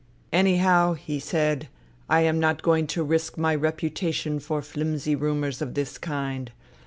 "' Anyhow,' he said, ' I am not going to risk my reputation for flimsy rumours of this kind.